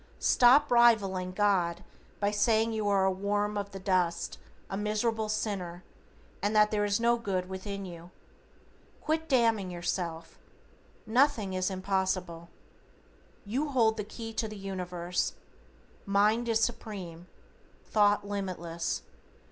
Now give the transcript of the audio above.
Stop reviling God by saying you are a worm of the dust, a miserable sinner, and that there is no good within you. Quit damning yourself. Nothing is impossible. You hold the key to the Universe. Mind is Supreme. Thought limitless.